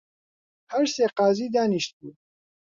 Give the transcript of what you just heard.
هەر سێ قازی دانیشتبوون